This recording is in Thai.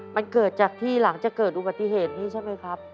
มันเกิดจากที่หลังจากเกิดอุบัติเหตุนี้ใช่ไหมครับ